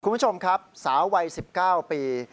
คุณผู้ชมครับสาววัย๑๙ปี